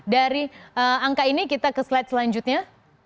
dari angka ini kita ke slide selanjutnya